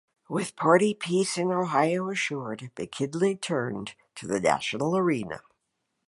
With party peace in Ohio assured, McKinley turned to the national arena.